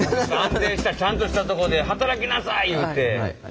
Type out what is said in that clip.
安定したちゃんとしたところで働きなさい言うて。